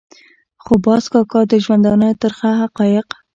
خو باز کاکا د ژوندانه ترخه حقایق.